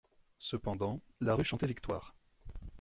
Cependant la rue chantait victoire.